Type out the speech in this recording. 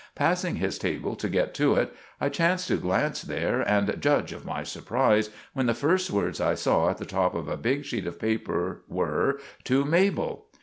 Passing his table to get to it, I chanced to glance there, and juge of my surprise when the first words I saw at the top of a big sheet of paper were, "To Mabel"!